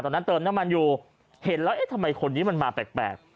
ตอนนั้นเติมน้ำมันอยู่เห็นแล้วเอ๊ะทำไมคนนี้มันมาแปลก